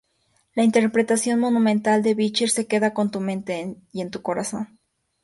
La interpretación monumental de Bichir se queda en tú mente y en tu corazón.